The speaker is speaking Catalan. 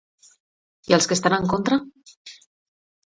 I els que estan en contra?